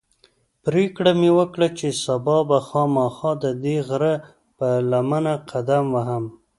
پرېکړه مې وکړه چې سبا به خامخا ددې غره پر لمنه قدم وهم.